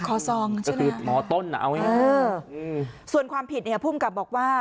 คอซองใช่ไหมคือหมอต้นนะเอาให้ส่วนความผิดเนี่ยผู้กำกับบอกว่า